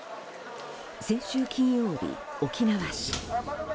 先週金曜日、沖縄市。